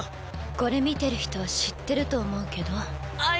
これ見てる人は知ってると思うけどあっ